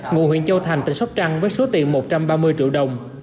ngụ huyện châu thành tỉnh sóc trăng với số tiền một trăm ba mươi triệu đồng